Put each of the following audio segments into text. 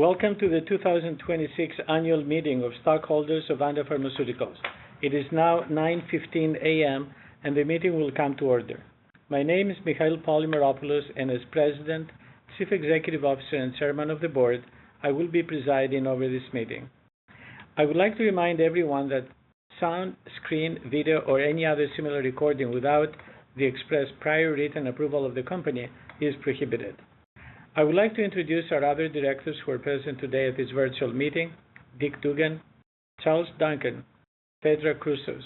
Welcome to the 2026 annual meeting of stockholders of Vanda Pharmaceuticals. It is now 9:15 A.M., and the meeting will come to order. My name is Mihael Polymeropoulos, and as President, Chief Executive Officer, and Chairman of the Board, I will be presiding over this meeting. I would like to remind everyone that sound, screen, video, or any other similar recording without the express prior written approval of the company is prohibited. I would like to introduce our other directors who are present today at this virtual meeting, Dick Dugan, Charles Duncan, Phaedra Chrousos,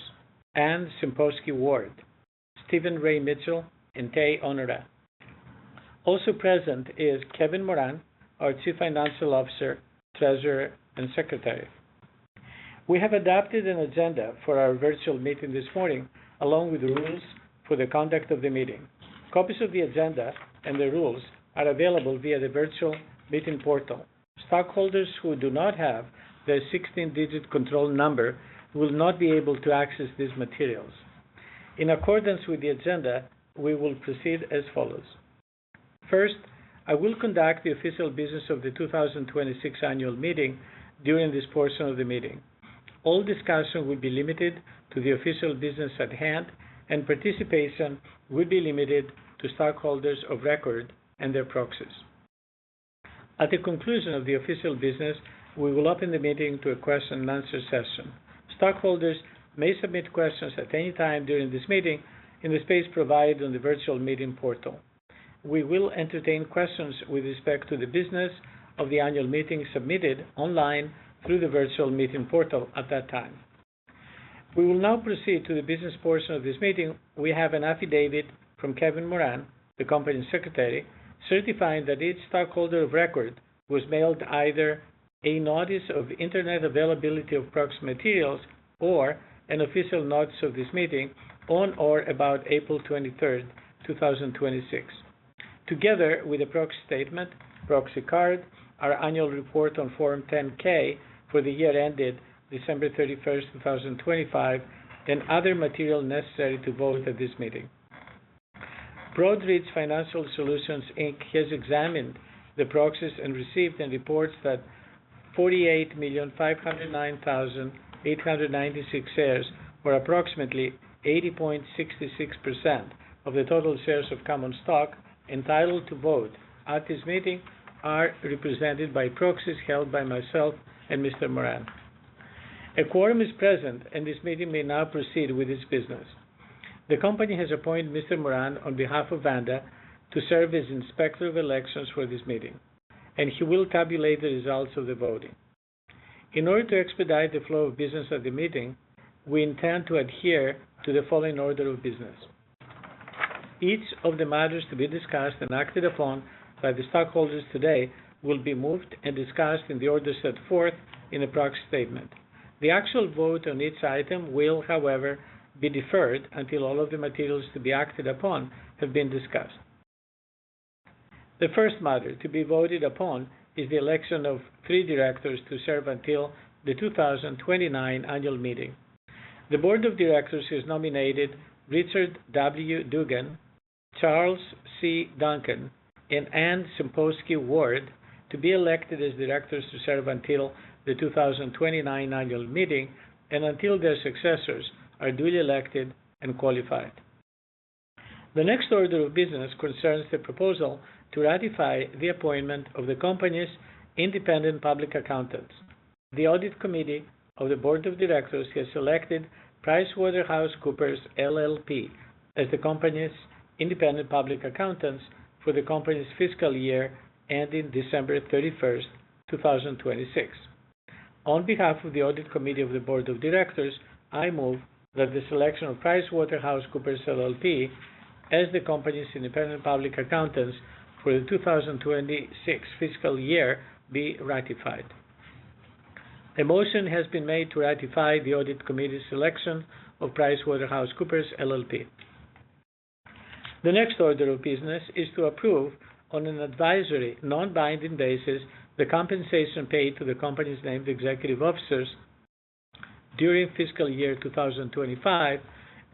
Anne Sempowski Ward, Stephen Ray Mitchell, and Tage Honoré. Also present is Kevin Moran, our Chief Financial Officer, Treasurer, and Secretary. We have adapted an agenda for our virtual meeting this morning, along with rules for the conduct of the meeting. Copies of the agenda and the rules are available via the virtual meeting portal. Stockholders who do not have their 16-digit control number will not be able to access these materials. In accordance with the agenda, we will proceed as follows. First, I will conduct the official business of the 2026 annual meeting during this portion of the meeting. All discussion will be limited to the official business at hand, and participation will be limited to stockholders of record and their proxies. At the conclusion of the official business, we will open the meeting to a question and answer session. Stockholders may submit questions at any time during this meeting in the space provided on the virtual meeting portal. We will entertain questions with respect to the business of the annual meeting submitted online through the virtual meeting portal at that time. We will now proceed to the business portion of this meeting. We have an affidavit from Kevin Moran, the company secretary, certifying that each stockholder of record was mailed either a notice of Internet availability of proxy materials or an official notice of this meeting on or about April 23rd, 2026, together with a proxy statement, proxy card, our annual report on Form 10-K for the year ended December 31st, 2025, and other material necessary to vote at this meeting. Broadridge Financial Solutions, Inc. has examined the proxies and received and reports that 48,509,896 shares, or approximately 80.66% of the total shares of common stock entitled to vote at this meeting, are represented by proxies held by myself and Mr. Moran. A quorum is present, and this meeting may now proceed with its business. The company has appointed Mr. Moran on behalf of Vanda to serve as Inspector of Elections for this meeting, and he will tabulate the results of the voting. In order to expedite the flow of business at the meeting, we intend to adhere to the following order of business. Each of the matters to be discussed and acted upon by the stockholders today will be moved and discussed in the order set forth in the proxy statement. The actual vote on each item will, however, be deferred until all of the materials to be acted upon have been discussed. The first matter to be voted upon is the election of three directors to serve until the 2029 annual meeting. The Board of Directors has nominated Richard W. Dugan, Charles C. Duncan, and Anne Sempowski Ward to be elected as directors to serve until the 2029 annual meeting and until their successors are duly elected and qualified. The next order of business concerns the proposal to ratify the appointment of the company's independent public accountants. The audit committee of the board of directors has selected PricewaterhouseCoopers LLP as the company's independent public accountants for the company's fiscal year ending December 31st, 2026. On behalf of the audit committee of the board of directors, I move that the selection of PricewaterhouseCoopers LLP as the company's independent public accountants for the 2026 fiscal year be ratified. A motion has been made to ratify the audit committee's selection of PricewaterhouseCoopers LLP. The next order of business is to approve, on an advisory, non-binding basis, the compensation paid to the company's named executive officers during fiscal year 2025,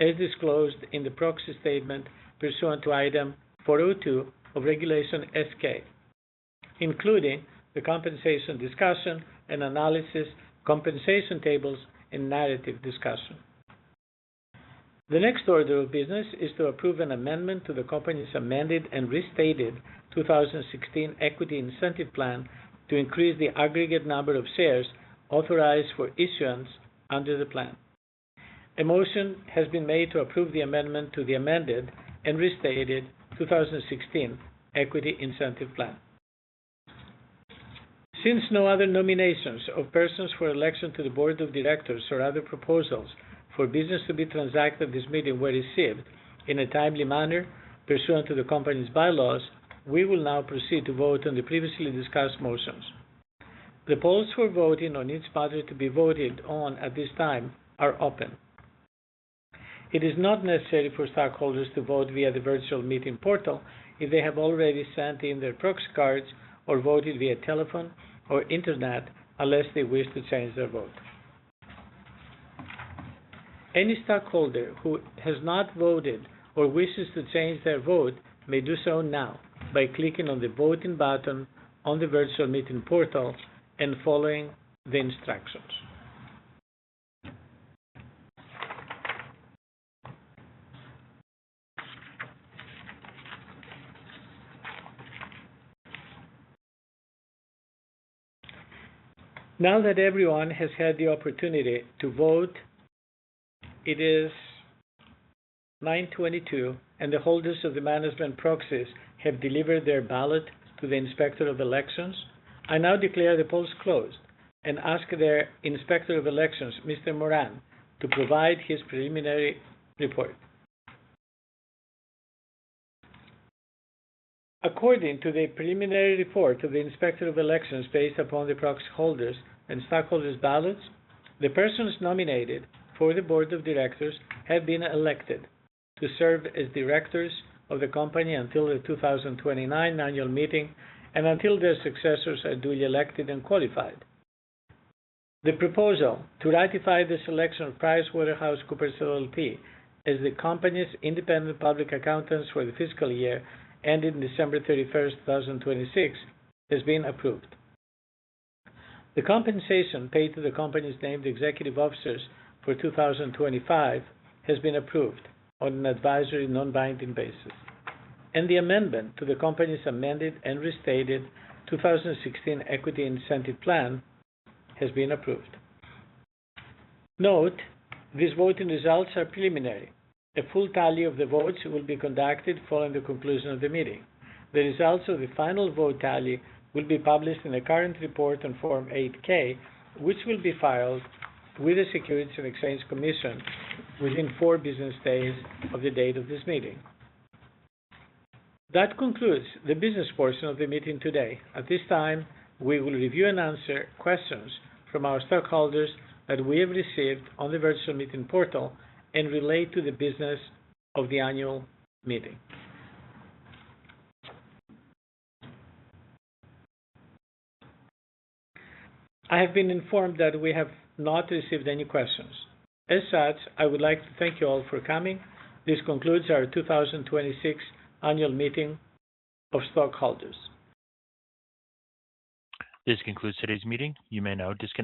as disclosed in the proxy statement pursuant to Item 402 of Regulation S-K, including the compensation discussion and analysis, compensation tables, and narrative discussion. The next order of business is to approve an amendment to the company's Amended and Restated 2016 Equity Incentive Plan to increase the aggregate number of shares authorized for issuance under the plan. A motion has been made to approve the amendment to the Amended and Restated 2016 Equity Incentive Plan. Since no other nominations of persons for election to the board of directors or other proposals for business to be transacted at this meeting were received in a timely manner pursuant to the company's bylaws, we will now proceed to vote on the previously discussed motions. The polls for voting on each matter to be voted on at this time are open. It is not necessary for stockholders to vote via the virtual meeting portal if they have already sent in their proxy cards or voted via telephone or internet unless they wish to change their vote. Any stakeholder who has not voted or wishes to change their vote may do so now by clicking on the voting button on the virtual meeting portal and following the instructions. Now that everyone has had the opportunity to vote, it is 9:22 A.M., and the holders of the management proxies have delivered their ballot to the Inspector of Elections. I now declare the polls closed and ask their Inspector of Elections, Mr. Moran, to provide his preliminary report. According to the preliminary report of the Inspector of Elections based upon the proxy holders' and stockholders' ballots, the persons nominated for the board of directors have been elected to serve as directors of the company until the 2029 annual meeting and until their successors are duly elected and qualified. The proposal to ratify the selection of PricewaterhouseCoopers LLP as the company's independent public accountants for the fiscal year ending December 31st, 2026, has been approved. The compensation paid to the company's named executive officers for 2025 has been approved on an advisory, non-binding basis. The amendment to the company's Amended and Restated 2016 Equity Incentive Plan has been approved. Note, these voting results are preliminary. A full tally of the votes will be conducted following the conclusion of the meeting. The results of the final vote tally will be published in a current report on Form 8-K, which will be filed with the Securities and Exchange Commission within four business days of the date of this meeting. That concludes the business portion of the meeting today. At this time, we will review and answer questions from our stockholders that we have received on the virtual meeting portal and relate to the business of the annual meeting. I have been informed that we have not received any questions. As such, I would like to thank you all for coming. This concludes our 2026 annual meeting of stockholders. This concludes today's meeting. You may now disconnect.